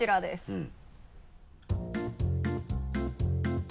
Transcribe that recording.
うん。